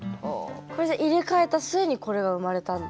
これじゃあ入れ替えた末にこれは生まれたんだ。